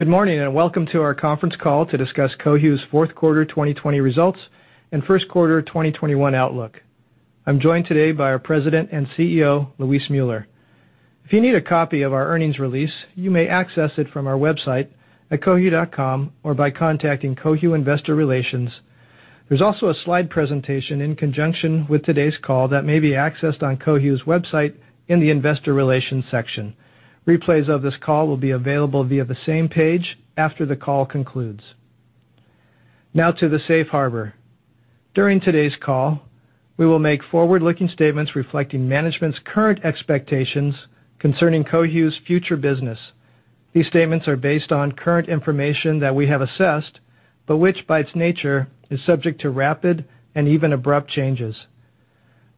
Good morning, and welcome to our conference call to discuss Cohu's fourth quarter 2020 results and first quarter 2021 outlook. I'm joined today by our President and CEO, Luis Müller. If you need a copy of our earnings release, you may access it from our website at cohu.com or by contacting Cohu Investor Relations. There's also a slide presentation in conjunction with today's call that may be accessed on Cohu's website in the investor relations section. Replays of this call will be available via the same page after the call concludes. Now to the safe harbor. During today's call, we will make forward-looking statements reflecting management's current expectations concerning Cohu's future business. These statements are based on current information that we have assessed, but which by its nature, is subject to rapid and even abrupt changes.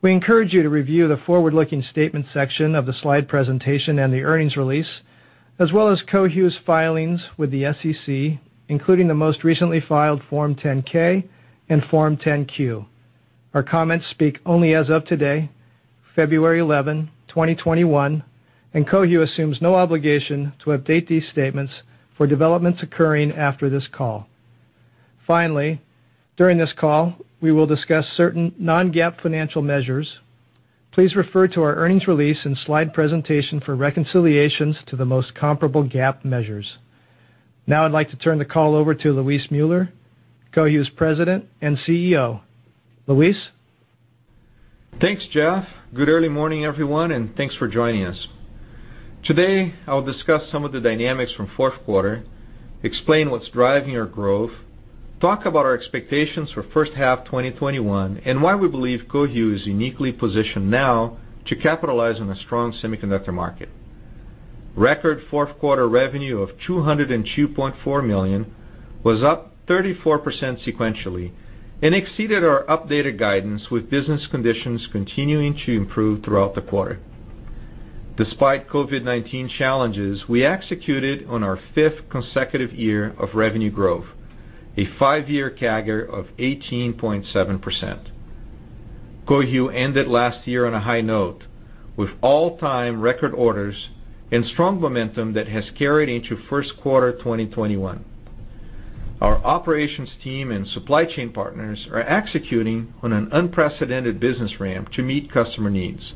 We encourage you to review the forward-looking statement section of the slide presentation and the earnings release, as well as Cohu's filings with the SEC, including the most recently filed Form 10-K and Form 10-Q. Our comments speak only as of today, February 11, 2021, Cohu assumes no obligation to update these statements for developments occurring after this call. Finally, during this call, we will discuss certain non-GAAP financial measures. Please refer to our earnings release and slide presentation for reconciliations to the most comparable GAAP measures. Now I'd like to turn the call over to Luis Müller, Cohu's President and CEO. Luis? Thanks, Jeff. Good early morning, everyone, and thanks for joining us. Today, I will discuss some of the dynamics from fourth quarter, explain what's driving our growth, talk about our expectations for first half 2021, and why we believe Cohu is uniquely positioned now to capitalize on a strong semiconductor market. Record fourth quarter revenue of $202.4 million was up 34% sequentially and exceeded our updated guidance with business conditions continuing to improve throughout the quarter. Despite COVID-19 challenges, we executed on our fifth consecutive year of revenue growth, a five-year CAGR of 18.7%. Cohu ended last year on a high note with all-time record orders and strong momentum that has carried into first quarter 2021. Our operations team and supply chain partners are executing on an unprecedented business ramp to meet customer needs.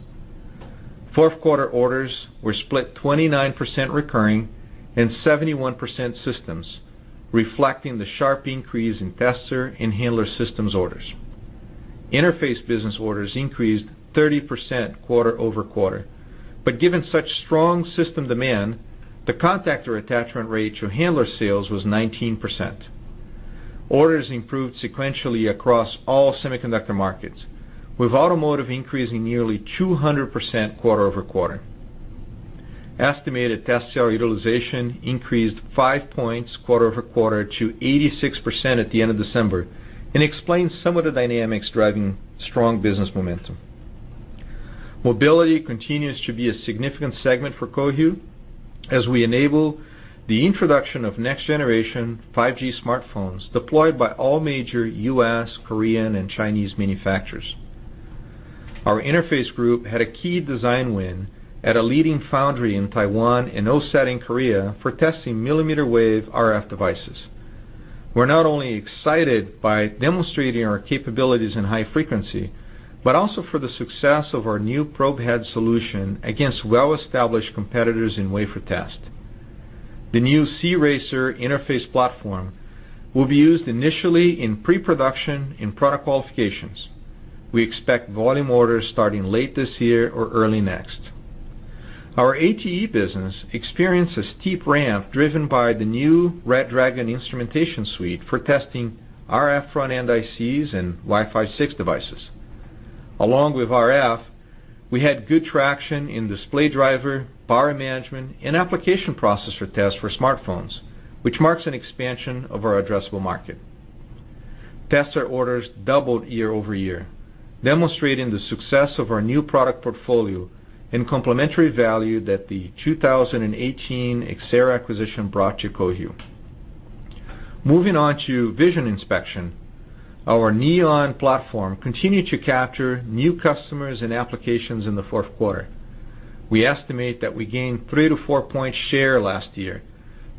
Fourth quarter orders were split 29% recurring and 71% systems, reflecting the sharp increase in tester and handler systems orders. Interface business orders increased 30% quarter-over quarter. Given such strong system demand, the contactor attachment rate to handler sales was 19%. Orders improved sequentially across all semiconductor markets, with automotive increasing nearly 200% quarter-over-quarter. Estimated tester utilization increased five points quarter-over-quarter to 86% at the end of December and explains some of the dynamics driving strong business momentum. Mobility continues to be a significant segment for Cohu as we enable the introduction of next-generation 5G smartphones deployed by all major U.S., Korean, and Chinese manufacturers. Our interface group had a key design win at a leading foundry in Taiwan and OSAT in Korea for testing millimeter wave RF devices. We're not only excited by demonstrating our capabilities in high frequency, but also for the success of our new probe head solution against well-established competitors in wafer test. The new cRacer interface platform will be used initially in pre-production in product qualifications. We expect volume orders starting late this year or early next. Our ATE business experienced a steep ramp driven by the new RedDragon instrumentation suite for testing RF front-end ICs and Wi-Fi six devices. Along with RF, we had good traction in display driver, power management, and application processor test for smartphones, which marks an expansion of our addressable market. Tester orders doubled year-over-year, demonstrating the success of our new product portfolio and complementary value that the 2018 Xcerra acquisition brought to Cohu. Moving on to vision inspection. Our Neon platform continued to capture new customers and applications in the fourth quarter. We estimate that we gained 3-4 points share last year,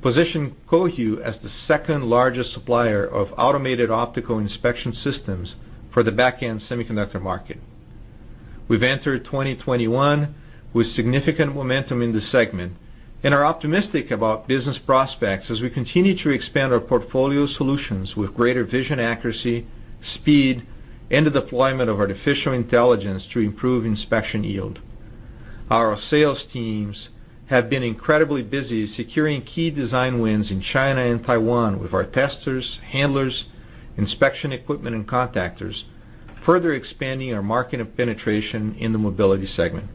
positioning Cohu as the second-largest supplier of automated optical inspection systems for the back-end semiconductor market. We've entered 2021 with significant momentum in the segment and are optimistic about business prospects as we continue to expand our portfolio solutions with greater vision accuracy, speed, and the deployment of artificial intelligence to improve inspection yield. Our sales teams have been incredibly busy securing key design wins in China and Taiwan with our testers, handlers, inspection equipment, and contactors, further expanding our market penetration in the mobility segment.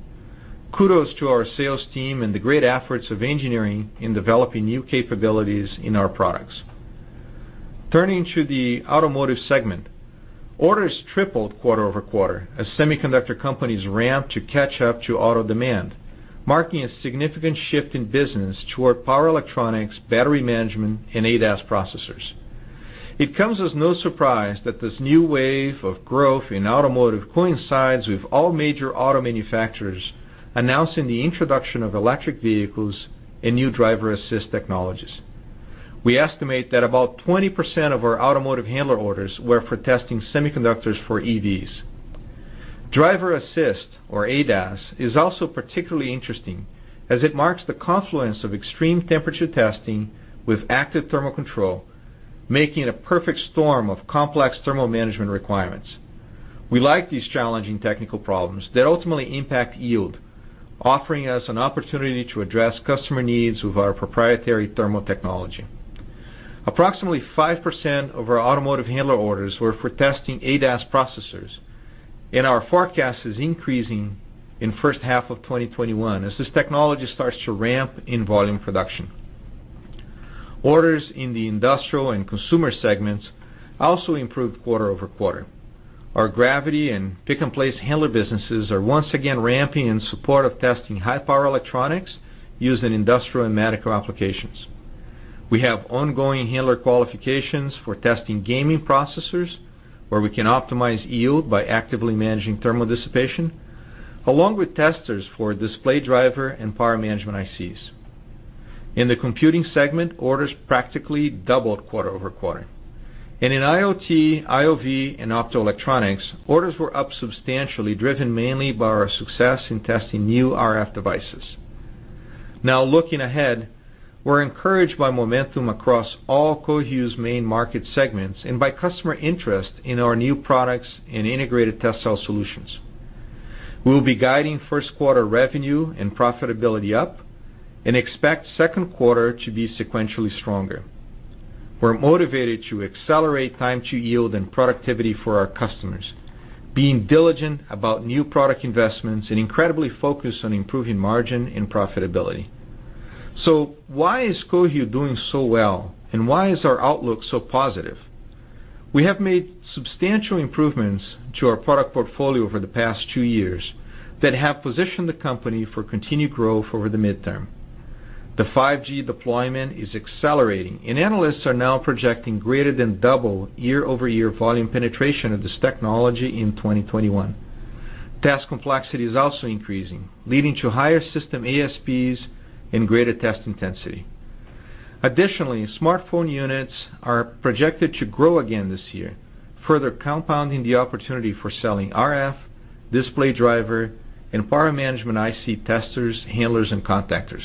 Kudos to our sales team and the great efforts of engineering in developing new capabilities in our products. Turning to the automotive segment. Orders tripled quarter-over-quarter as semiconductor companies ramp to catch up to auto demand, marking a significant shift in business toward power electronics, battery management, and ADAS processors. It comes as no surprise that this new wave of growth in automotive coincides with all major auto manufacturers announcing the introduction of electric vehicles and new driver-assist technologies. We estimate that about 20% of our automotive handler orders were for testing semiconductors for EVs. Driver assist, or ADAS, is also particularly interesting as it marks the confluence of extreme temperature testing with active thermal control, making it a perfect storm of complex thermal management requirements. We like these challenging technical problems that ultimately impact yield, offering us an opportunity to address customer needs with our proprietary thermal technology. Approximately 5% of our automotive handler orders were for testing ADAS processors, and our forecast is increasing in first half of 2021 as this technology starts to ramp in volume production. Orders in the industrial and consumer segments also improved quarter-over-quarter. Our gravity and pick-and-place handler businesses are once again ramping in support of testing high-power electronics used in industrial and medical applications. We have ongoing handler qualifications for testing gaming processors, where we can optimize yield by actively managing thermal dissipation, along with testers for display driver and power management ICs. In the computing segment, orders practically doubled quarter-over-quarter. In IoT, IoV, and optoelectronics, orders were up substantially, driven mainly by our success in testing new RF devices. Now, looking ahead, we're encouraged by momentum across all Cohu's main market segments and by customer interest in our new products and integrated test cell solutions. We'll be guiding first quarter revenue and profitability up. Expect second quarter to be sequentially stronger. We're motivated to accelerate time to yield and productivity for our customers, being diligent about new product investments and incredibly focused on improving margin and profitability. Why is Cohu doing so well, and why is our outlook so positive? We have made substantial improvements to our product portfolio over the past two years that have positioned the company for continued growth over the midterm. The 5G deployment is accelerating. Analysts are now projecting greater than double year-over-year volume penetration of this technology in 2021. Test complexity is also increasing, leading to higher system ASPs and greater test intensity. Additionally, smartphone units are projected to grow again this year, further compounding the opportunity for selling RF, display driver, and power management IC testers, handlers, and contactors.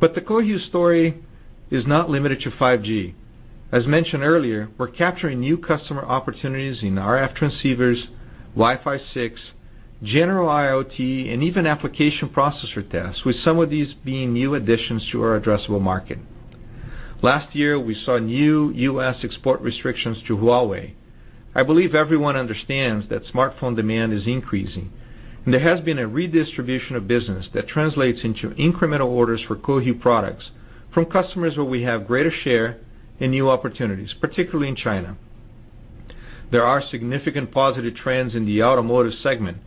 The Cohu story is not limited to 5G. As mentioned earlier, we're capturing new customer opportunities in RF transceivers, Wi-Fi six, general IoT, and even application processor tests, with some of these being new additions to our addressable market. Last year, we saw new U.S. export restrictions to Huawei. I believe everyone understands that smartphone demand is increasing, and there has been a redistribution of business that translates into incremental orders for Cohu products from customers where we have greater share and new opportunities, particularly in China. There are significant positive trends in the automotive segment,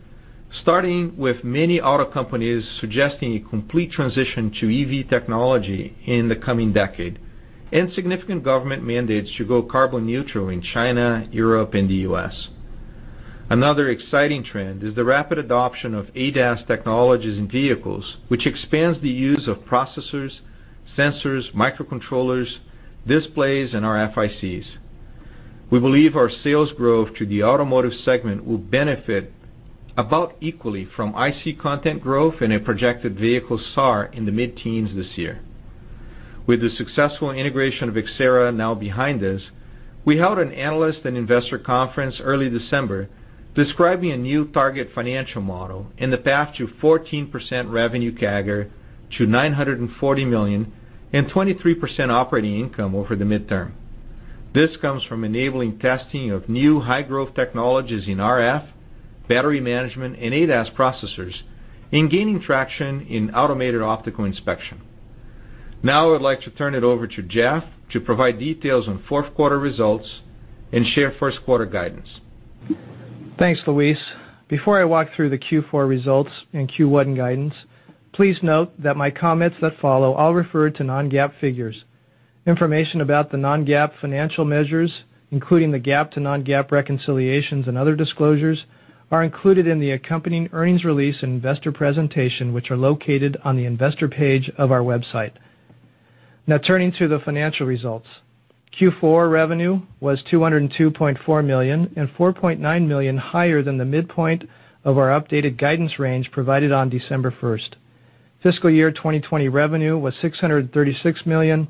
starting with many auto companies suggesting a complete transition to EV technology in the coming decade, and significant government mandates to go carbon neutral in China, Europe, and the U.S. Another exciting trend is the rapid adoption of ADAS technologies in vehicles, which expands the use of processors, sensors, microcontrollers, displays, and RFICs. We believe our sales growth to the automotive segment will benefit about equally from IC content growth and a projected vehicle SAR in the mid-teens this year. With the successful integration of Xcerra now behind us, we held an analyst and investor conference early December describing a new target financial model and the path to 14% revenue CAGR to $240 million and 23% operating income over the midterm. This comes from enabling testing of new high-growth technologies in RF, battery management, and ADAS processors, and gaining traction in automated optical inspection. I'd like to turn it over to Jeff to provide details on fourth quarter results and share first quarter guidance. Thanks, Luis. Before I walk through the Q4 results and Q1 guidance, please note that my comments that follow all refer to non-GAAP figures. Information about the non-GAAP financial measures, including the GAAP to non-GAAP reconciliations and other disclosures, are included in the accompanying earnings release and investor presentation, which are located on the investor page of our website. Turning to the financial results. Q4 revenue was $202.4 million and $4.9 million higher than the midpoint of our updated guidance range provided on December 1st. Fiscal year 2020 revenue was $636 million,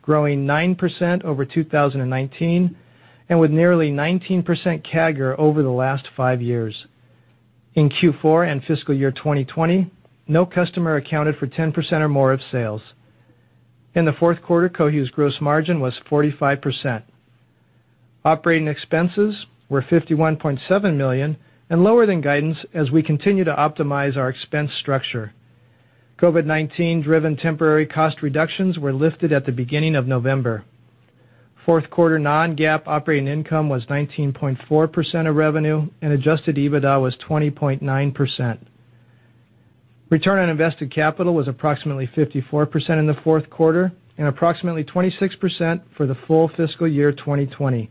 growing 9% over 2019 and with nearly 19% CAGR over the last five years. In Q4 and fiscal year 2020, no customer accounted for 10% or more of sales. In the fourth quarter, Cohu's gross margin was 45%. Operating expenses were $51.7 million and lower than guidance as we continue to optimize our expense structure. COVID-19-driven temporary cost reductions were lifted at the beginning of November. Fourth quarter non-GAAP operating income was 19.4% of revenue, and adjusted EBITDA was 20.9%. Return on invested capital was approximately 54% in the fourth quarter and approximately 26% for the full fiscal year 2020.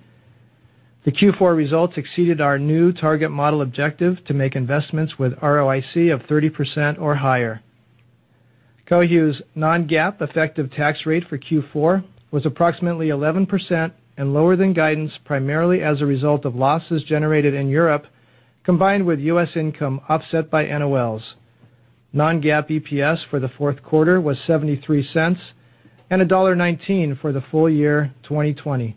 The Q4 results exceeded our new target model objective to make investments with ROIC of 30% or higher. Cohu's non-GAAP effective tax rate for Q4 was approximately 11% and lower than guidance, primarily as a result of losses generated in Europe, combined with U.S. income offset by NOLs. Non-GAAP EPS for the fourth quarter was $0.73 and $1.19 for the full year 2020.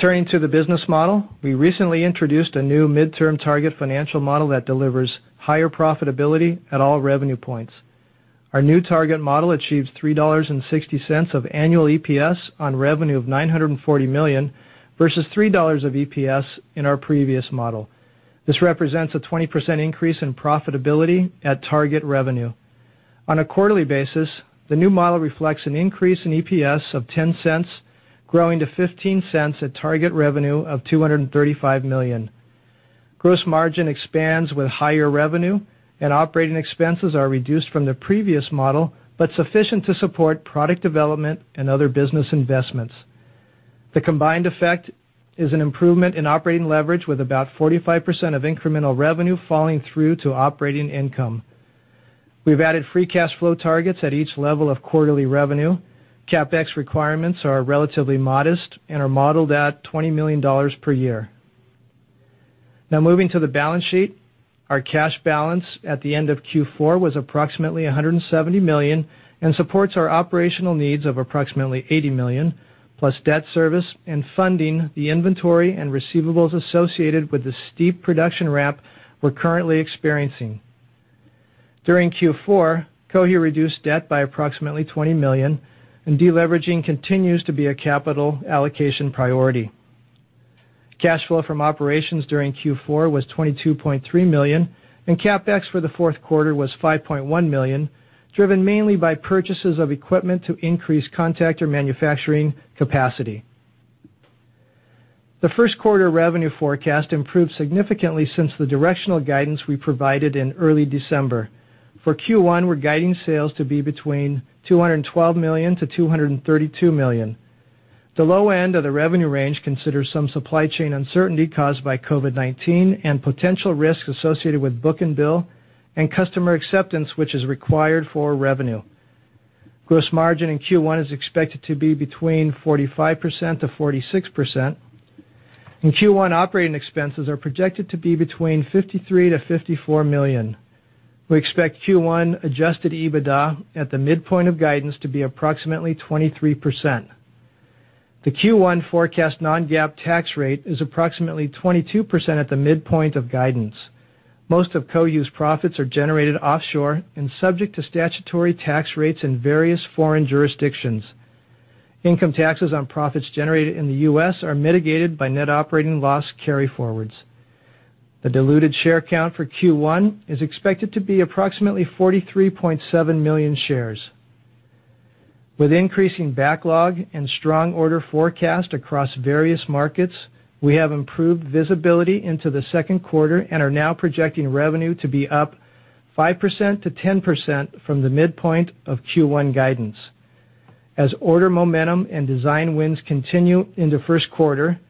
Turning to the business model. We recently introduced a new midterm target financial model that delivers higher profitability at all revenue points. Our new target model achieves $3.60 of annual EPS on revenue of $940 million, versus $3 of EPS in our previous model. This represents a 20% increase in profitability at target revenue. On a quarterly basis, the new model reflects an increase in EPS of $0.10, growing to $0.15 at target revenue of $235 million. Gross margin expands with higher revenue, operating expenses are reduced from the previous model, sufficient to support product development and other business investments. The combined effect is an improvement in operating leverage with about 45% of incremental revenue falling through to operating income. We've added free cash flow targets at each level of quarterly revenue. CapEx requirements are relatively modest and are modelled at $20 million per year. Moving to the balance sheet. Our cash balance at the end of Q4 was approximately $170 million and supports our operational needs of approximately $80 million, plus debt service and funding the inventory and receivables associated with the steep production ramp we're currently experiencing. During Q4, Cohu reduced debt by approximately $20 million, and de-leveraging continues to be a capital allocation priority. Cash flow from operations during Q4 was $22.3 million, and CapEx for the fourth quarter was $5.1 million, driven mainly by purchases of equipment to increase contactor manufacturing capacity. The first quarter revenue forecast improved significantly since the directional guidance we provided in early December. For Q1, we're guiding sales to be between $212 million-$232 million. The low end of the revenue range considers some supply chain uncertainty caused by COVID-19 and potential risks associated with book and bill and customer acceptance, which is required for revenue. Gross margin in Q1 is expected to be between 45%-46%. In Q1, operating expenses are projected to be between $53 million-$54 million. We expect Q1 adjusted EBITDA at the midpoint of guidance to be approximately 23%. The Q1 forecast non-GAAP tax rate is approximately 22% at the midpoint of guidance. Most of Cohu's profits are generated offshore and subject to statutory tax rates in various foreign jurisdictions. Income taxes on profits generated in the U.S. are mitigated by net operating loss carry forwards. The diluted share count for Q1 is expected to be approximately 43.7 million shares. With increasing backlog and strong order forecast across various markets, we have improved visibility into the second quarter and are now projecting revenue to be up 5%-10% from the midpoint of Q1 guidance. As order momentum and design wins continue in the first quarter,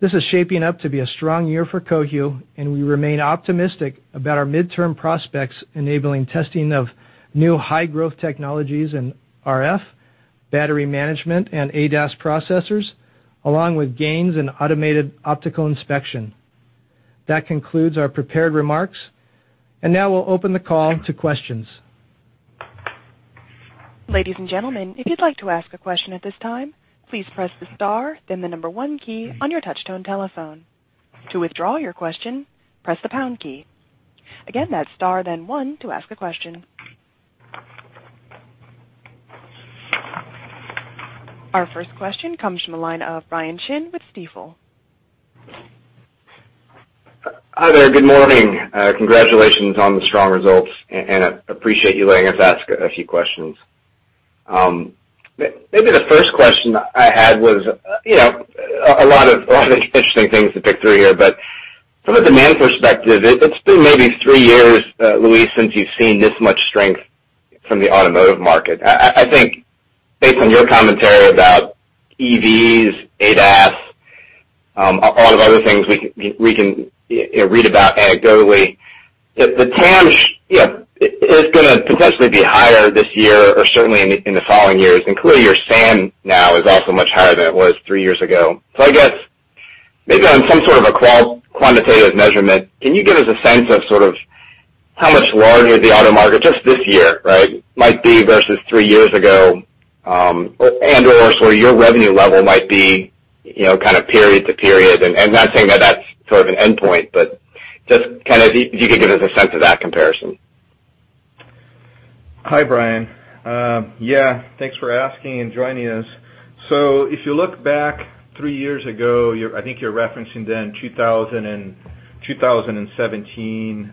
this is shaping up to be a strong year for Cohu, and we remain optimistic about our midterm prospects enabling testing of new high-growth technologies in RF, battery management, and ADAS processors, along with gains in automated optical inspection. That concludes our prepared remarks, and now we'll open the call to questions. ladies and gentlemen if you would like to ask a question at this time please press the star then the number one key on your touch-tone telephone. To withdraw your question press the pound key. Our first question comes from the line of Brian Chin with Stifel. Hi there. Good morning. Congratulations on strong results and l appreciate you letting us ask a few questions. Maybe the first question I had was, a lot of interesting things to pick through here, but from a demand perspective, it's been maybe three years, Luis, since you've seen this much strength from the automotive market. I think based on your commentary about EVs, ADAS, a lot of other things we can read about anecdotally. The TAM is going to potentially be higher this year or certainly in the following years. Clearly, your SAM now is also much higher than it was three years ago. I guess maybe on some sort of a quantitative measurement, can you give us a sense of sort of how much larger the auto market just this year might be versus three years ago, and/or sort of your revenue level might be kind of period to period? Not saying that that's sort of an endpoint, but just kind of if you could give us a sense of that comparison. Hi, Brian. Thanks for asking and joining us. If you look back three years ago, I think you're referencing then 2017,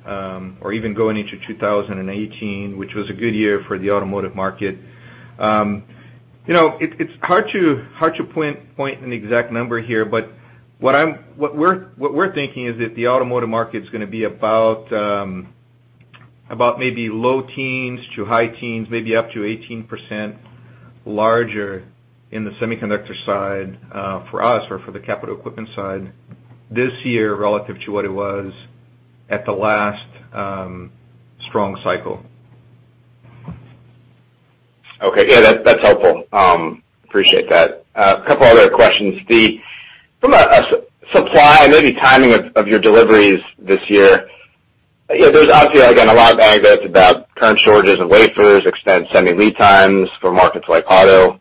or even going into 2018, which was a good year for the automotive market. It's hard to point an exact number here, but what we're thinking is that the automotive market is going to be about maybe low teens to high teens, maybe up to 18% larger in the semiconductor side for us or for the capital equipment side this year relative to what it was at the last strong cycle. Okay. Yeah, that's helpful. Appreciate that. A couple other questions. From a supply and maybe timing of your deliveries this year, there's obviously, again, a lot of anecdotes about current shortages of wafers, extended semi lead times for markets like auto.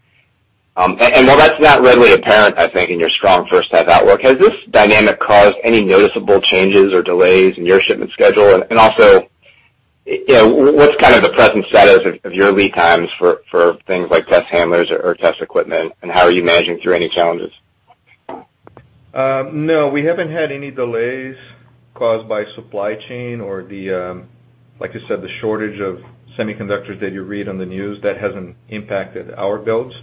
While that's not readily apparent, I think, in your strong first half outlook, has this dynamic caused any noticeable changes or delays in your shipment schedule? Also, what's kind of the present status of your lead times for things like test handlers or test equipment, and how are you managing through any challenges? No, we haven't had any delays caused by supply chain or like you said, the shortage of semiconductors that you read on the news. That hasn't impacted our builds.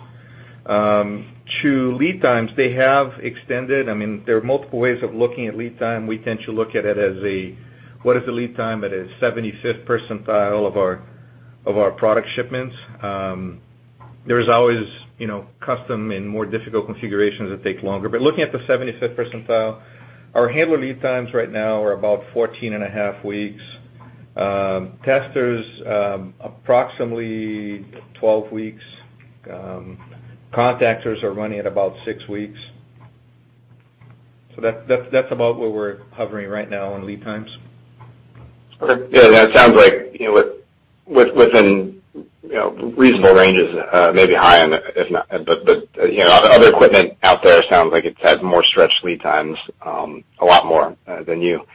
To lead times, they have extended. There are multiple ways of looking at lead time. We tend to look at it as a, what is the lead time at a 75th percentile of our product shipments? There's always custom and more difficult configurations that take longer. Looking at the 75th percentile, our handler lead times right now are about 14 and a half weeks. Testers, approximately 12 weeks. Contactors are running at about six weeks. That's about where we're hovering right now on lead times. Okay. Yeah, that sounds like within reasonable ranges, maybe high on, if not, but other equipment out there sounds like it's had more stretched lead times, a lot more than you.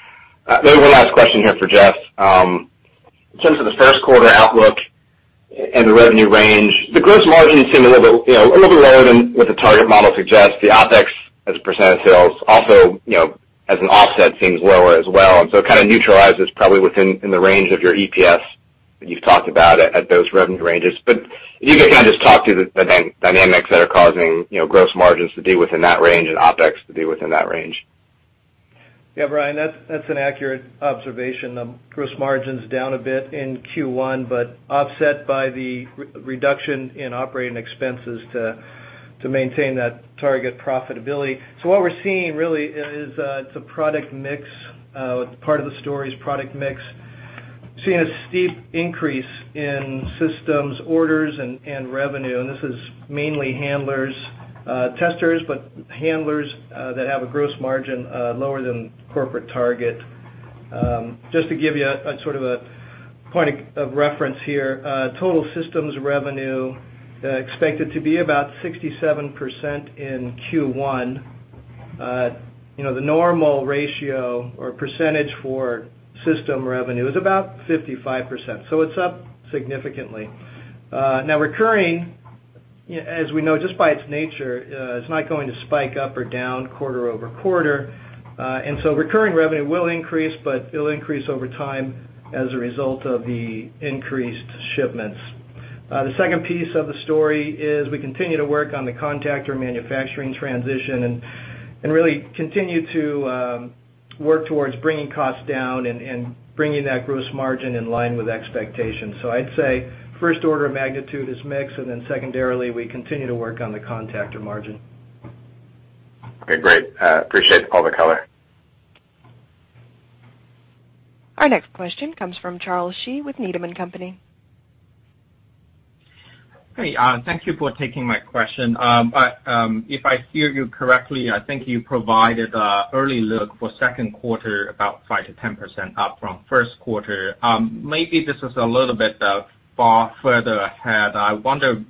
Maybe one last question here for Jeff. In terms of the first quarter outlook and the revenue range, the gross margins seem a little bit lower than what the target model suggests. The OpEx as a % of sales also, as an offset, seems lower as well, and so it kind of neutralizes probably within the range of your EPS that you've talked about at those revenue ranges. If you could kind of just talk to the dynamics that are causing gross margins to be within that range and OpEx to be within that range. Brian, that's an accurate observation. Gross margin's down a bit in Q1, offset by the reduction in operating expenses to maintain that target profitability. What we're seeing really is it's a product mix, part of the story is product mix. Seeing a steep increase in systems orders and revenue, this is mainly handlers, testers, handlers that have a gross margin lower than corporate target. Just to give you a sort of a point of reference here, total systems revenue expected to be about 67% in Q1. The normal ratio or percentage for system revenue is about 55%, it's up significantly. Recurring, as we know, just by its nature, is not going to spike up or down quarter-over-quarter. Recurring revenue will increase, it'll increase over time as a result of the increased shipments. The second piece of the story is we continue to work on the contactor manufacturing transition and really continue to work towards bringing costs down and bringing that gross margin in line with expectations. I'd say first order of magnitude is mix, secondarily, we continue to work on the contactor margin. Okay, great. Appreciate all the color. Our next question comes from Charles Shi with Needham & Company. Hey, thank you for taking my question. If I hear you correctly, I think you provided a early look for second quarter about 5%-10% up from first quarter. Maybe this is a little bit far further ahead. I wonder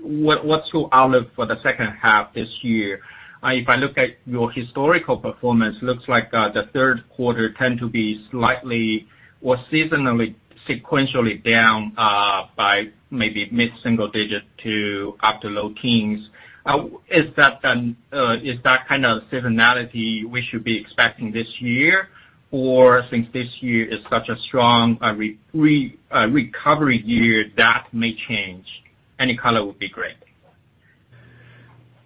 what's your outlook for the second half this year? If I look at your historical performance, looks like the third quarter tend to be slightly or seasonally, sequentially down by maybe mid-single digit to up to low teens. Is that kind of seasonality we should be expecting this year? Since this year is such a strong recovery year, that may change? Any color would be great.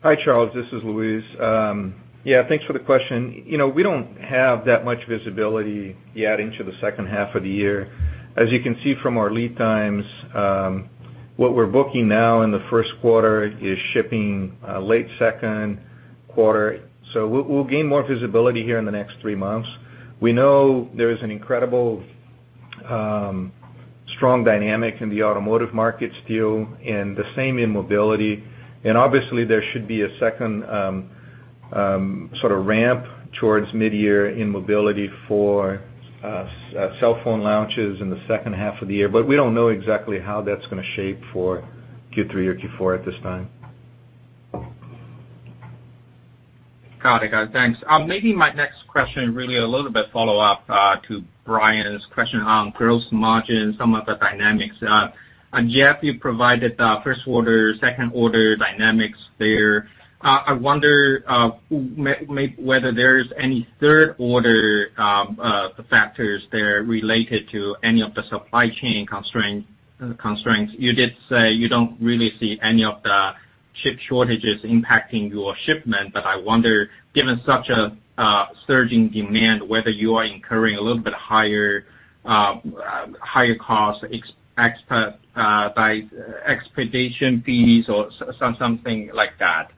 Hi, Charles. This is Luis. Yeah, thanks for the question. We don't have that much visibility yet into the second half of the year. As you can see from our lead times, what we're booking now in the first quarter is shipping late second quarter. We'll gain more visibility here in the next three months. We know there's an incredible strong dynamic in the automotive market still, and the same in mobility. Obviously there should be a second sort of ramp towards mid-year in mobility for cellphone launches in the second half of the year. We don't know exactly how that's going to shape for Q3 or Q4 at this time. Got it, guys. Thanks. My next question really a little bit follow up to Brian's question on gross margin, some of the dynamics. Jeff, you provided 1st order, 2nd order dynamics there. I wonder whether there's any 3rd order factors there related to any of the supply chain constraints. You did say you don't really see any of the chip shortages impacting your shipment, I wonder, given such a surging demand, whether you are incurring a little bit higher costs by expedite fees or something like that.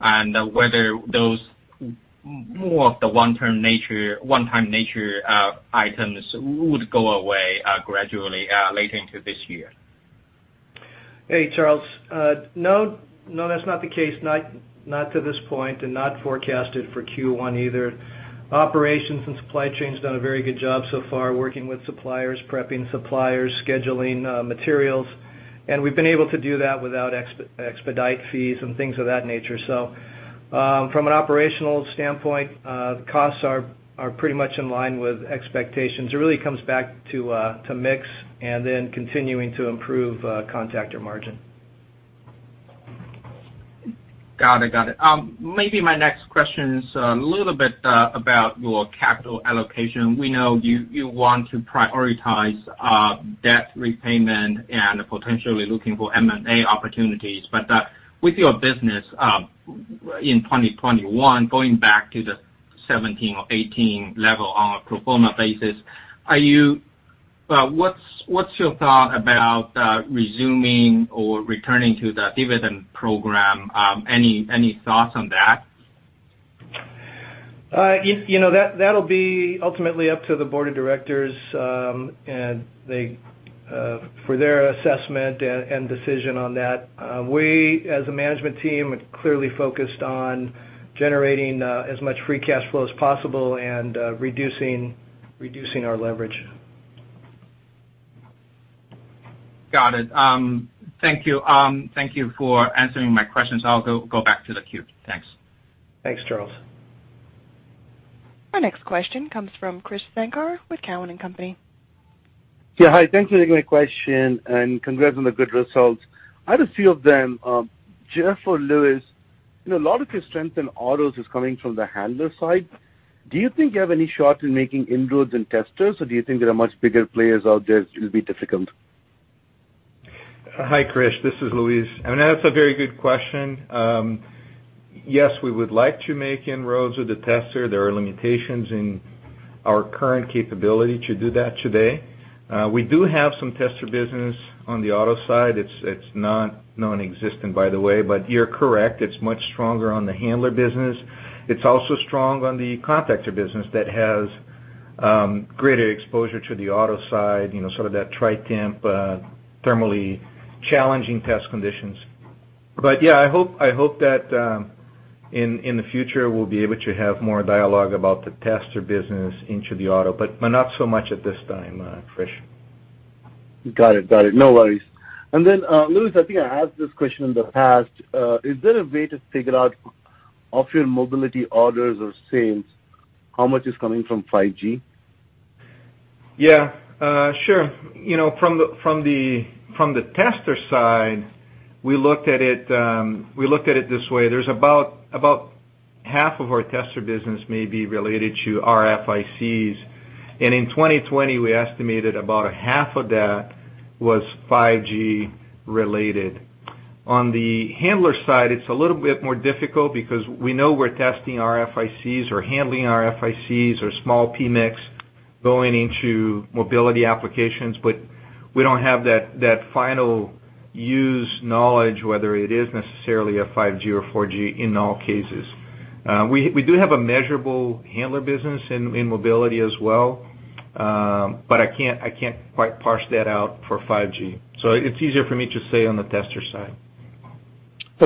Whether those more of the one-time nature items would go away gradually later into this year. Hey, Charles. No, that's not the case. Not to this point, not forecasted for Q1 either. Operations and supply chain's done a very good job so far, working with suppliers, prepping suppliers, scheduling materials. We've been able to do that without expedite fees and things of that nature. From an operational standpoint, the costs are pretty much in line with expectations. It really comes back to mix and then continuing to improve contactor margin. Got it. Maybe my next question is a little bit about your capital allocation. We know you want to prioritize, debt repayment and potentially looking for M&A opportunities, but with your business in 2021, going back to the 2017 or 2018 level on a pro forma basis, what's your thought about resuming or returning to the dividend program? Any thoughts on that? That'll be ultimately up to the board of directors, for their assessment and decision on that. We, as a management team, are clearly focused on generating as much free cash flow as possible and reducing our leverage. Got it. Thank you for answering my questions. I'll go back to the queue. Thanks. Thanks, Charles. Our next question comes from Krish Sankar with Cowen and Company. Yeah. Hi, thanks for taking my question, and congrats on the good results. I had a few of them. Jeff or Luis, a lot of your strength in autos is coming from the handler side. Do you think you have any shot in making inroads in testers, or do you think there are much bigger players out there, it'll be difficult? Hi, Krish, this is Luis. That's a very good question. Yes, we would like to make inroads with the tester. There are limitations in our current capability to do that today. We do have some tester business on the auto side. It's nonexistent, by the way, but you're correct, it's much stronger on the handler business. It's also strong on the contactor business that has greater exposure to the auto side, sort of that tri-temp, thermally challenging test conditions. Yeah, I hope that in the future we'll be able to have more dialogue about the tester business into the auto, but not so much at this time, Krish. Got it. No worries. Luis, I think I asked this question in the past. Is there a way to figure out of your mobility orders or sales, how much is coming from 5G? Sure. From the tester side, we looked at it this way. There's about half of our tester business may be related to RFICs. In 2020, we estimated about a half of that was 5G related. On the handler side, it's a little bit more difficult because we know we're testing RFICs or handling RFICs or small PMICs going into mobility applications, but we don't have that final use knowledge whether it is necessarily a 5G or 4G in all cases. We do have a measurable handler business in mobility as well. I can't quite parse that out for 5G. It's easier for me to say on the tester side.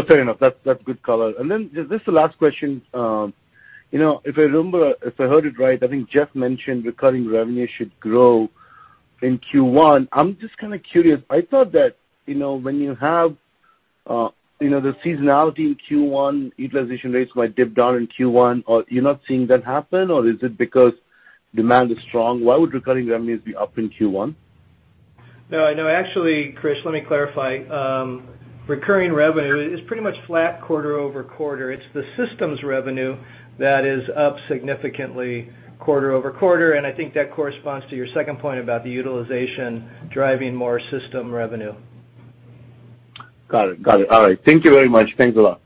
Fair enough. That's good color. This is the last question. If I heard it right, I think Jeff mentioned recurring revenue should grow in Q1. I'm just kind of curious. I thought that when you have the seasonality in Q1, utilization rates might dip down in Q1. Are you not seeing that happen, or is it because demand is strong? Why would recurring revenues be up in Q1? No, actually, Krish, let me clarify. Recurring revenue is pretty much flat quarter-over-quarter. It's the systems revenue that is up significantly quarter-over-quarter. I think that corresponds to your second point about the utilization driving more system revenue. Got it. All right. Thank you very much. Thanks a lot.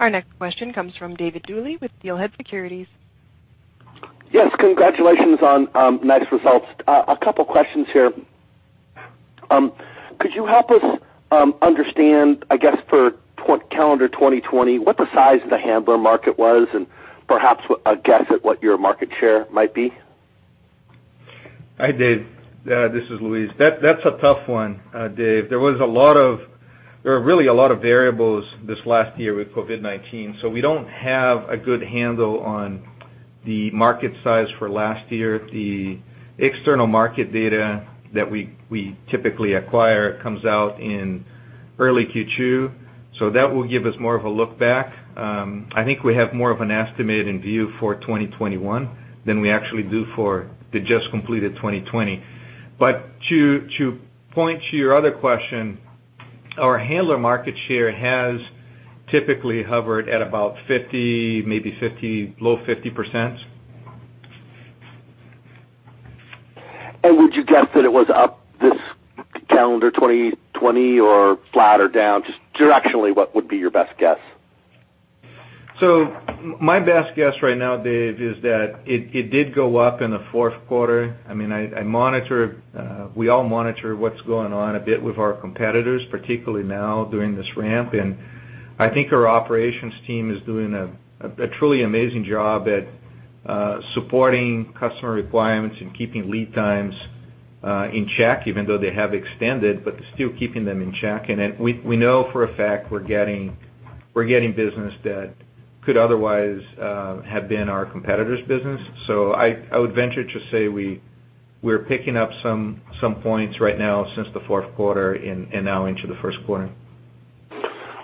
Our next question comes from David Duley with Steelhead Securities. Yes, congratulations on nice results. A couple of questions here. Could you help us understand, I guess for calendar 2020, what the size of the handler market was and perhaps a guess at what your market share might be? Hi, Dave. This is Luis. That's a tough one, Dave. There were really a lot of variables this last year with COVID-19. We don't have a good handle on the market size for last year. The external market data that we typically acquire comes out in early Q2. That will give us more of a look back. I think we have more of an estimated view for 2021 than we actually do for the just completed 2020. To point to your other question, our handler market share has typically hovered at about 50, maybe low 50%. Would you guess that it was up this calendar 2020, or flat or down? Just directionally, what would be your best guess? My best guess right now, Dave, is that it did go up in the fourth quarter. I monitor, we all monitor what's going on a bit with our competitors, particularly now during this ramp, and I think our operations team is doing a truly amazing job at supporting customer requirements and keeping lead times in check even though they have extended, but they're still keeping them in check. We know for a fact we're getting business that could otherwise have been our competitor's business. I would venture to say we're picking up some points right now since the fourth quarter and now into the first quarter.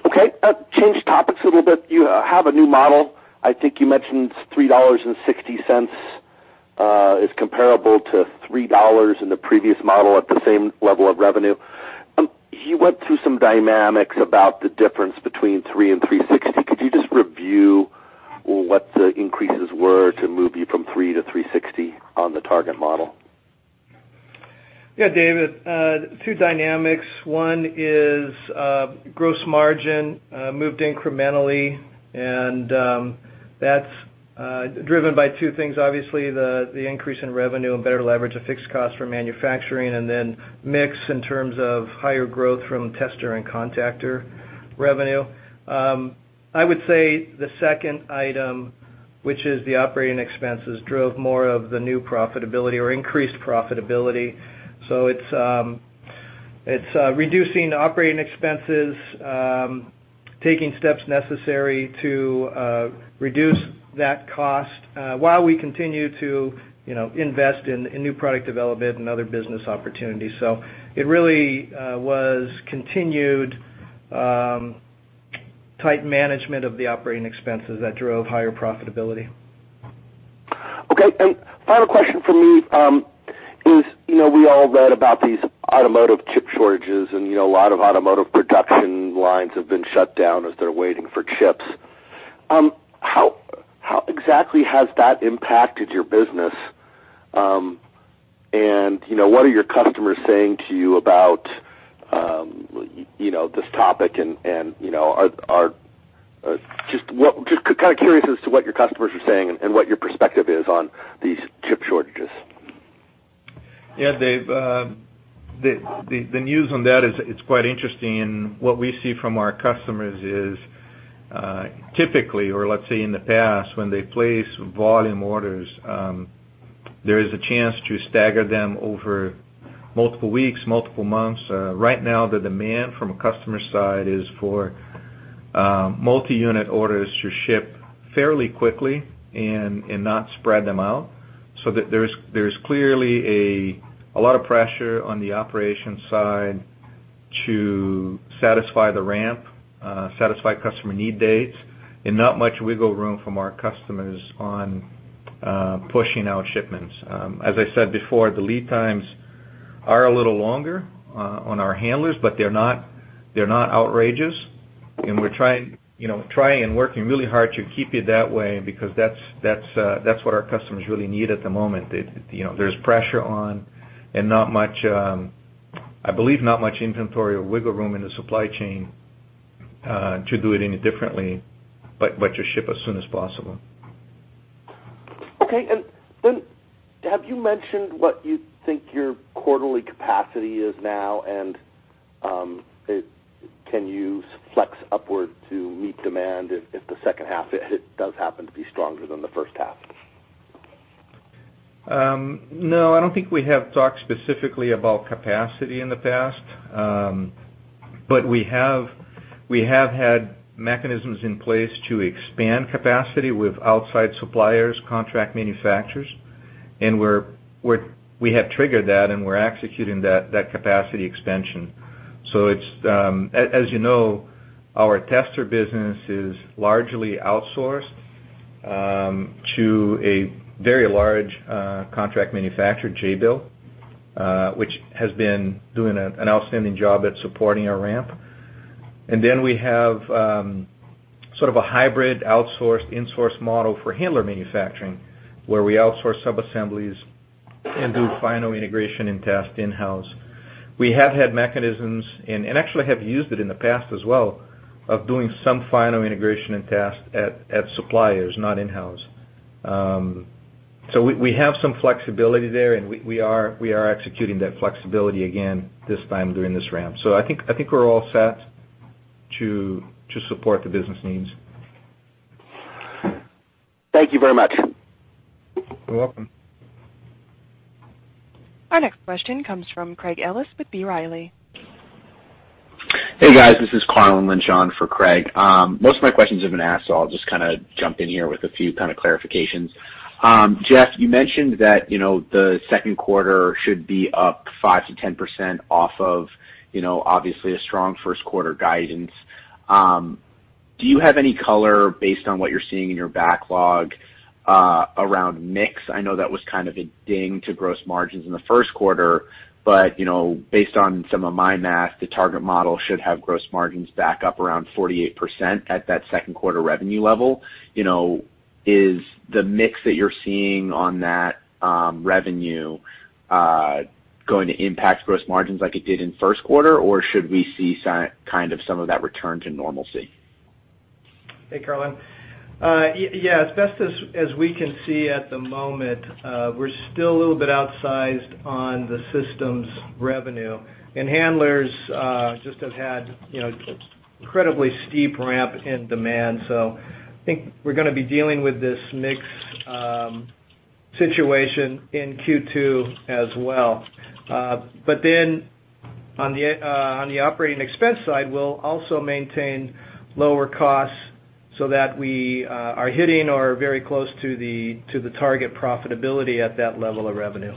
Okay. Change topics a little bit. You have a new model. I think you mentioned $3.60 is comparable to $3 in the previous model at the same level of revenue. You went through some dynamics about the difference between 3 and 3.60. Could you just review what the increases were to move you from 3-3.60 on the target model? Yeah, David, two dynamics. One is gross margin, moved incrementally, that's driven by two things. Obviously, the increase in revenue and better leverage of fixed costs for manufacturing, mix in terms of higher growth from tester and contactor revenue. I would say the second item, which is the operating expenses, drove more of the new profitability or increased profitability. It's reducing operating expenses, taking steps necessary to reduce that cost, while we continue to invest in new product development and other business opportunities. It really was continued tight management of the operating expenses that drove higher profitability. Okay. Final question from me is, we all read about these automotive chip shortages and a lot of automotive production lines have been shut down as they're waiting for chips. How exactly has that impacted your business? What are your customers saying to you about this topic and just kind of curious as to what your customers are saying and what your perspective is on these chip shortages. Yeah, Dave. The news on that is quite interesting, and what we see from our customers is, typically, or let's say in the past, when they place volume orders, there is a chance to stagger them over multiple weeks, multiple months. Right now, the demand from a customer side is for multi-unit orders to ship fairly quickly and not spread them out. There's clearly a lot of pressure on the operations side to satisfy the ramp, satisfy customer need dates, and not much wiggle room from our customers on pushing out shipments. As I said before, the lead times are a little longer on our handlers, but they're not outrageous, and we're trying and working really hard to keep it that way because that's what our customers really need at the moment. There's pressure on and I believe not much inventory or wiggle room in the supply chain to do it any differently, but to ship as soon as possible. Okay. Have you mentioned what you think your quarterly capacity is now, and can you flex upward to meet demand if the second half does happen to be stronger than the first half? No, I don't think we have talked specifically about capacity in the past. We have had mechanisms in place to expand capacity with outside suppliers, contract manufacturers, and we have triggered that, and we're executing that capacity extension. As you know, our tester business is largely outsourced to a very large contract manufacturer, Jabil, which has been doing an outstanding job at supporting our ramp. We have sort of a hybrid outsourced, insourced model for handler manufacturing, where we outsource sub-assemblies and do final integration and test in-house. We have had mechanisms, and actually have used it in the past as well, of doing some final integration and test at suppliers, not in-house. We have some flexibility there, and we are executing that flexibility again this time during this ramp. I think we're all set to support the business needs. Thank you very much. You're welcome. Our next question comes from Craig Ellis with B. Riley. Hey, guys. This is Carlin Lynch for Craig. Most of my questions have been asked. I'll just kind of jump in here with a few kind of clarifications. Jeff, you mentioned that the second quarter should be up 5%-10% off of obviously a strong first quarter guidance. Do you have any color based on what you're seeing in your backlog around mix? I know that was kind of a ding to gross margins in the first quarter. Based on some of my math, the target model should have gross margins back up around 48% at that second quarter revenue level. Is the mix that you're seeing on that revenue going to impact gross margins like it did in the first quarter, or should we see kind of some of that return to normalcy? Hey, Carlin. Yeah. As best as we can see at the moment, we're still a little bit outsized on the systems revenue. Handlers just have had incredibly steep ramp in demand. I think we're going to be dealing with this mix situation in Q2 as well. On the operating expense side, we'll also maintain lower costs so that we are hitting or are very close to the target profitability at that level of revenue.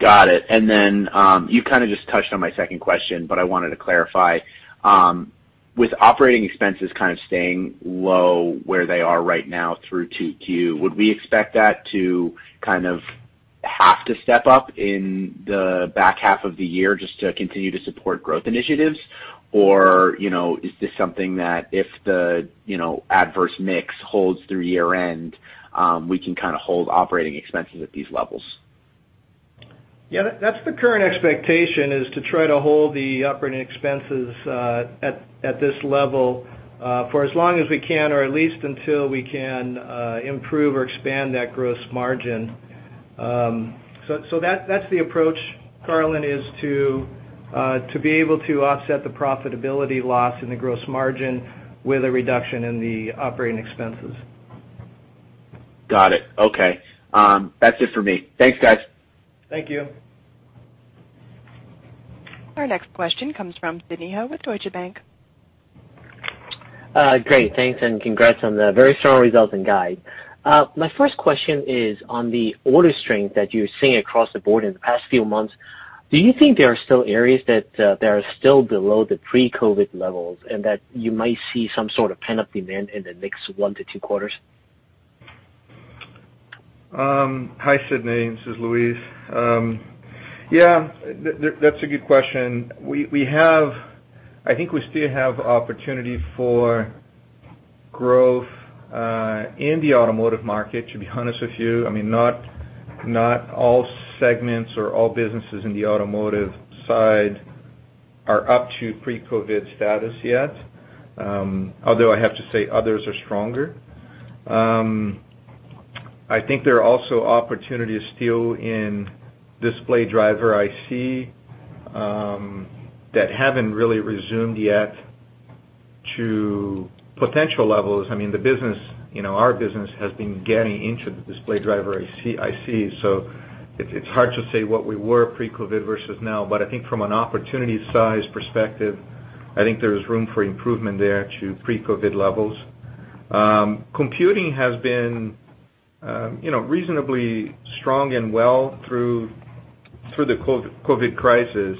Got it. You kind of just touched on my second question, but I wanted to clarify. With operating expenses kind of staying low where they are right now through 2Q, would we expect that to kind of have to step up in the back half of the year just to continue to support growth initiatives? Or, is this something that if the adverse mix holds through year-end, we can kind of hold operating expenses at these levels? That's the current expectation is to try to hold the operating expenses at this level for as long as we can or at least until we can improve or expand that gross margin. That's the approach, Carlin, is to be able to offset the profitability loss in the gross margin with a reduction in the operating expenses. Got it. Okay. That's it for me. Thanks, guys. Thank you. Our next question comes from Sidney Ho with Deutsche Bank. Great. Thanks, congrats on the very strong results and guide. My first question is on the order strength that you're seeing across the board in the past few months. Do you think there are still areas that are still below the pre-COVID levels, and that you might see some sort of pent-up demand in the next one to two quarters? Hi, Sidney. This is Luis. Yeah. That's a good question. I think we still have opportunity for growth in the automotive market, to be honest with you. I mean, not all segments or all businesses in the automotive side are up to pre-COVID status yet, although I have to say others are stronger. I think there are also opportunities still in display driver IC that haven't really resumed yet to potential levels. I mean, our business has been getting into the display driver ICs. It's hard to say what we were pre-COVID versus now. I think from an opportunity size perspective, I think there's room for improvement there to pre-COVID levels. Computing has been reasonably strong and well through the COVID crisis.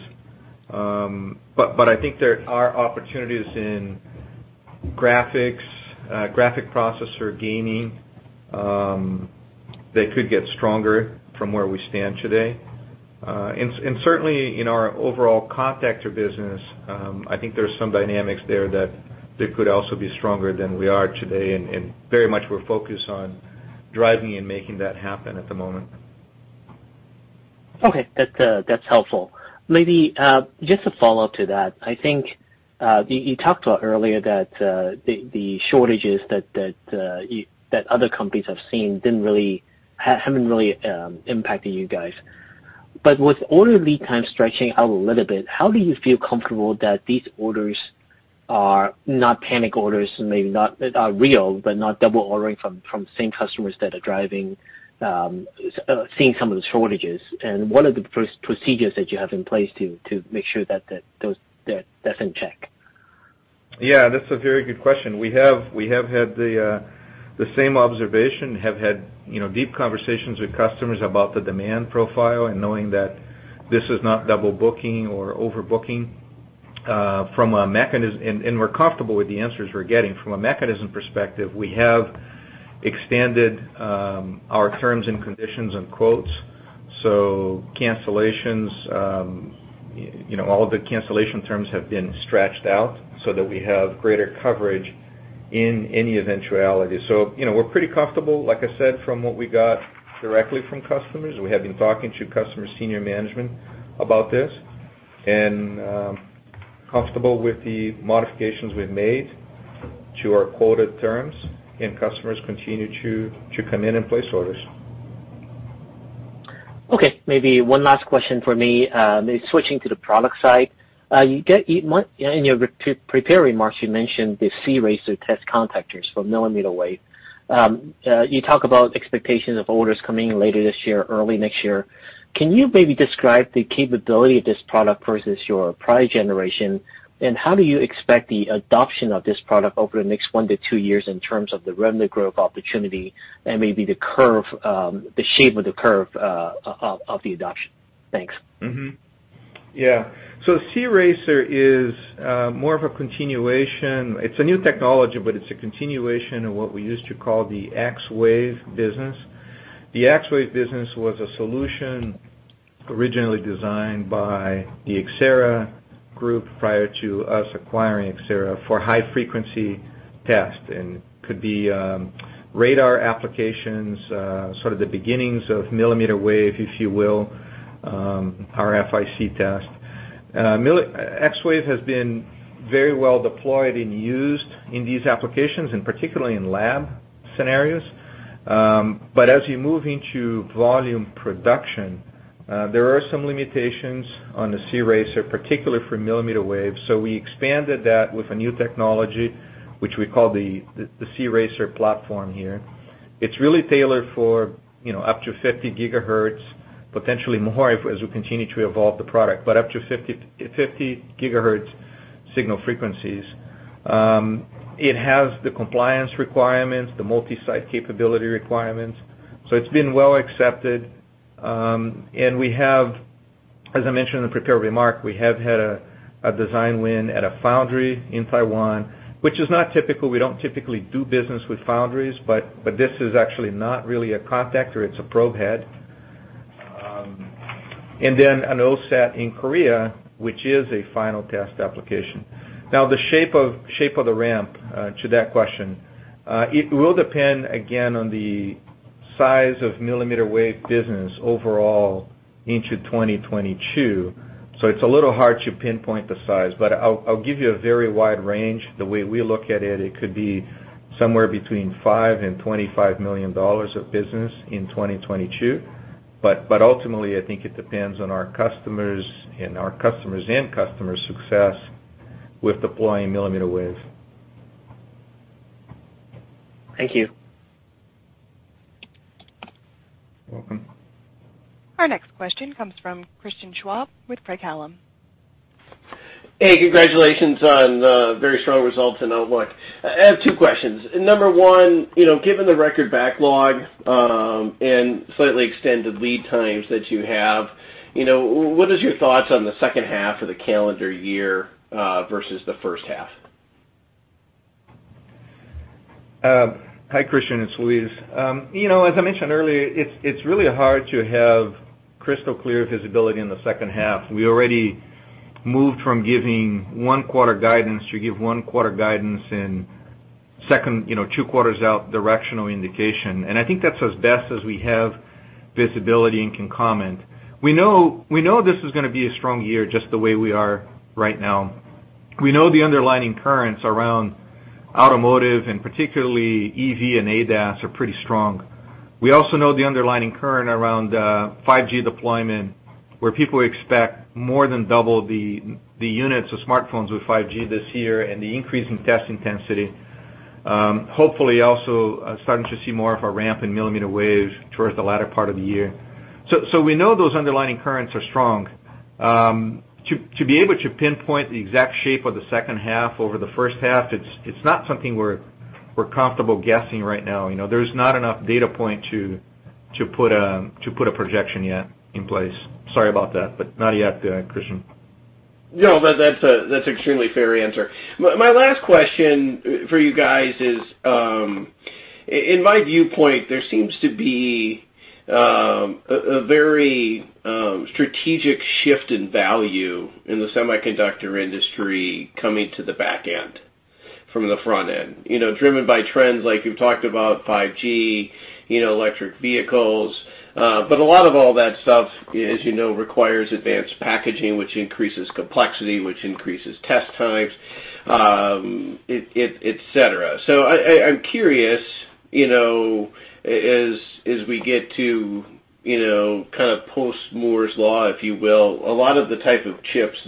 I think there are opportunities in graphics, graphic processor gaming, that could get stronger from where we stand today. Certainly in our overall contactor business, I think there's some dynamics there that could also be stronger than we are today, and very much we're focused on driving and making that happen at the moment. Okay. That's helpful. Maybe just a follow-up to that. I think you talked about earlier that the shortages that other companies have seen haven't really impacted you guys. With order lead time stretching out a little bit, how do you feel comfortable that these orders are not panic orders and maybe not are real, but not double ordering from the same customers that are seeing some of the shortages? What are the procedures that you have in place to make sure that's in check? Yeah, that's a very good question. We have had the same observation, have had deep conversations with customers about the demand profile and knowing that this is not double booking or overbooking. We're comfortable with the answers we're getting. From a mechanism perspective, we have extended our terms and conditions and quotes. All of the cancellation terms have been stretched out so that we have greater coverage in any eventuality. We're pretty comfortable, like I said, from what we got directly from customers. We have been talking to customer senior management about this, and comfortable with the modifications we've made to our quoted terms, and customers continue to come in and place orders. Okay. Maybe one last question for me, maybe switching to the product side. In your prepared remarks, you mentioned the cRacer test contactors from millimeter wave. You talk about expectations of orders coming in later this year, early next year. Can you maybe describe the capability of this product versus your prior generation? How do you expect the adoption of this product over the next 1-2 years in terms of the revenue growth opportunity and maybe the shape of the curve of the adoption? Thanks. Mm-hmm. Yeah. cRacer is more of a continuation. It's a new technology, but it's a continuation of what we used to call the xWave business. The xWave business was a solution. Originally designed by the Xcerra Group prior to us acquiring Xcerra for high-frequency test, and could be radar applications, sort of the beginnings of millimeter wave, if you will, RFIC test. xWave has been very well deployed and used in these applications, and particularly in lab scenarios. As you move into volume production, there are some limitations on the cRacer, particularly for millimeter wave. We expanded that with a new technology, which we call the cRacer platform here. It's really tailored for up to 50 GHz, potentially more as we continue to evolve the product, but up to 50 GHz signal frequencies. It has the compliance requirements, the multi-site capability requirements. It's been well accepted. We have, as I mentioned in the prepared remark, we have had a design win at a foundry in Taiwan, which is not typical. We don't typically do business with foundries, but this is actually not really a contactor, it's a probe head. An OSAT in Korea, which is a final test application. Now, the shape of the ramp, to that question, it will depend, again, on the size of millimeter wave business overall into 2022. It's a little hard to pinpoint the size, but I'll give you a very wide range. The way we look at it could be somewhere between $5 million and $25 million of business in 2022. Ultimately, I think it depends on our customers and our customers' end customers' success with deploying millimeter wave. Thank you. You're welcome. Our next question comes from Christian Schwab with Craig-Hallum. Hey, congratulations on the very strong results and outlook. I have two questions. Number one, given the record backlog, and slightly extended lead times that you have, what is your thoughts on the second half of the calendar year, versus the first half? Hi, Christian, it's Luis. As I mentioned earlier, it's really hard to have crystal clear visibility in the second half. We already moved from giving one-quarter guidance to give one-quarter guidance and two quarters out directional indication. I think that's as best as we have visibility and can comment. We know this is going to be a strong year just the way we are right now. We know the underlying currents around automotive, and particularly EV and ADAS are pretty strong. We also know the underlying current around 5G deployment, where people expect more than double the units of smartphones with 5G this year and the increase in test intensity. Hopefully also starting to see more of a ramp in millimeter wave towards the latter part of the year. We know those underlying currents are strong. To be able to pinpoint the exact shape of the second half over the first half, it's not something we're comfortable guessing right now. There's not enough data point to put a projection yet in place. Sorry about that. Not yet, Christian. That's extremely fair answer. My last question for you guys is, in my viewpoint, there seems to be a very strategic shift in value in the semiconductor industry coming to the back end from the front end, driven by trends like you've talked about 5G, electric vehicles. A lot of all that stuff, as you know, requires advanced packaging, which increases complexity, which increases test times, et cetera. I'm curious, as we get to post Moore's law, if you will, a lot of the type of chips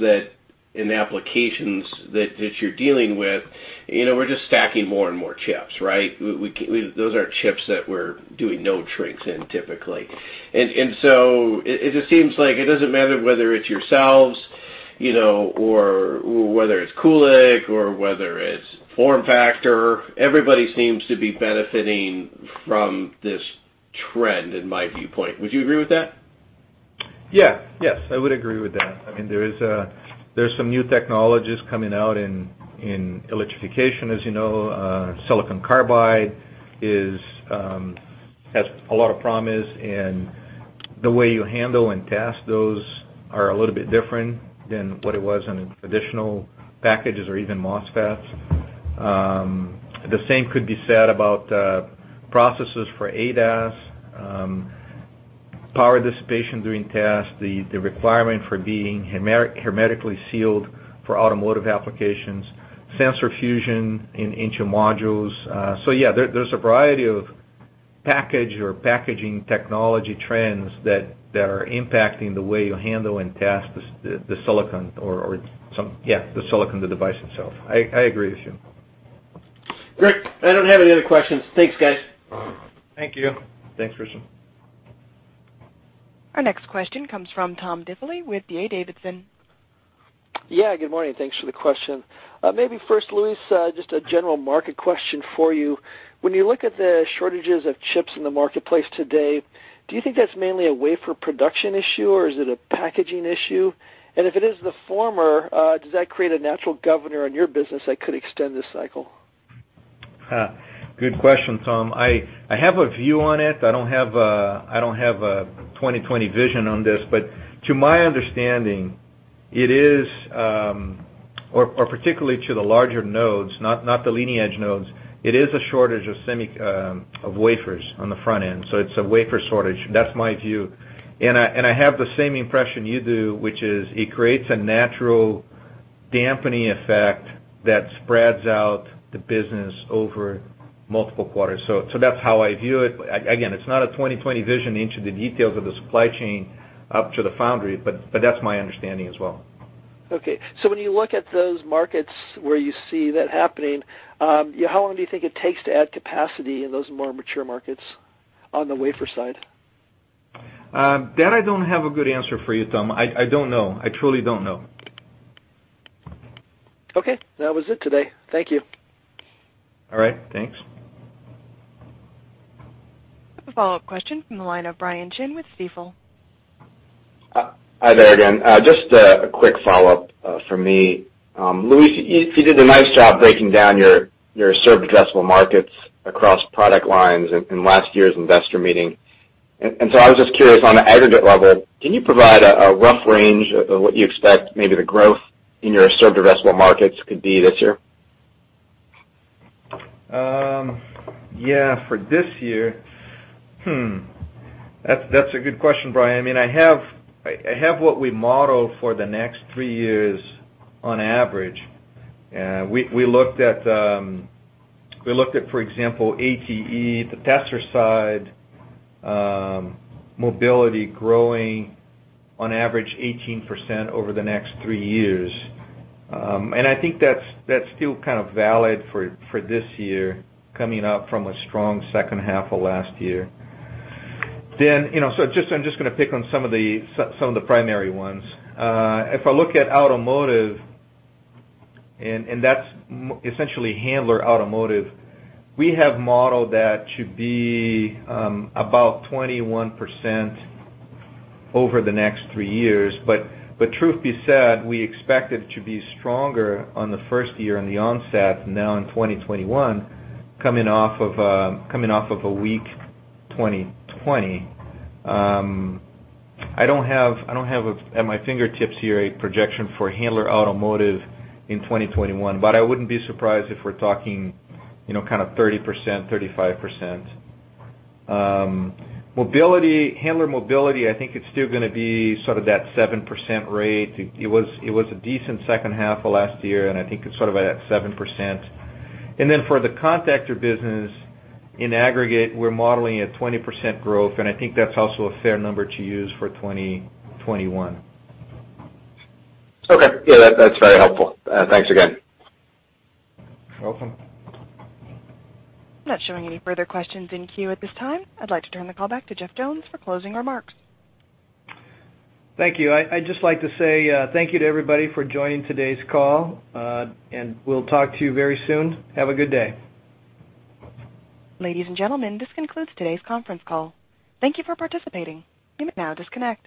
and applications that you're dealing with, we're just stacking more and more chips, right? Those aren't chips that we're doing node shrinks in typically. It just seems like it doesn't matter whether it's yourselves or whether it's Kulicke or whether it's FormFactor, everybody seems to be benefiting from this trend, in my viewpoint. Would you agree with that? Yeah. Yes, I would agree with that. There's some new technologies coming out in electrification, as you know. silicon carbide has a lot of promise, and the way you handle and test those are a little bit different than what it was on traditional packages or even MOSFETs. The same could be said about processes for ADAS, power dissipation during test, the requirement for being hermetically sealed for automotive applications, sensor fusion in inter modules. Yeah, there's a variety of package or packaging technology trends that are impacting the way you handle and test the silicon, the device itself. I agree with you. Great. I don't have any other questions. Thanks, guys. Thank you. Thanks, Christian. Our next question comes from Tom Diffely with D.A. Davidson. Yeah, good morning. Thanks for the question. Maybe first, Luis, just a general market question for you. When you look at the shortages of chips in the marketplace today, do you think that's mainly a wafer production issue, or is it a packaging issue? If it is the former, does that create a natural governor on your business that could extend this cycle? Good question, Tom. I have a view on it. I don't have a 20/20 vision on this, to my understanding, or particularly to the larger nodes, not the leading-edge nodes, it is a shortage of wafers on the front end. It's a wafer shortage. That's my view. I have the same impression you do, which is, it creates a natural dampening effect that spreads out the business over multiple quarters. That's how I view it. Again, it's not a 20/20 vision into the details of the supply chain up to the foundry, that's my understanding as well. Okay. When you look at those markets where you see that happening, how long do you think it takes to add capacity in those more mature markets on the wafer side? That I don't have a good answer for you, Tom. I don't know. I truly don't know. Okay. That was it today. Thank you. All right. Thanks. We have a follow-up question from the line of Brian Chin with Stifel. Hi there again. Just a quick follow-up from me. Luis, you did a nice job breaking down your served addressable markets across product lines in last year's investor meeting. I was just curious, on an aggregate level, can you provide a rough range of what you expect maybe the growth in your served addressable markets could be this year? For this year, hmm. That's a good question, Brian. I have what we model for the next three years on average. We looked at, for example, ATE, the tester side, mobility growing on average 18% over the next three years. I think that's still kind of valid for this year, coming up from a strong second half of last year. I'm just going to pick on some of the primary ones. If I look at automotive, and that's essentially handler automotive, we have modeled that to be about 21% over the next three years. Truth be said, we expect it to be stronger on the first year on the onset, now in 2021, coming off of a weak 2020. I don't have at my fingertips here a projection for handler automotive in 2021, but I wouldn't be surprised if we're talking 30%, 35%. Handler mobility, I think it's still going to be sort of that 7% rate. It was a decent second half of last year, and I think it's sort of at 7%. For the contactor business, in aggregate, we're modeling at 20% growth, and I think that's also a fair number to use for 2021. Okay. Yeah, that's very helpful. Thanks again. You're welcome. I'm not showing any further questions in queue at this time. I'd like to turn the call back to Jeff Jones for closing remarks. Thank you. I'd just like to say thank you to everybody for joining today's call. We'll talk to you very soon. Have a good day. Ladies and gentlemen, this concludes today's conference call. Thank you for participating. You may now disconnect.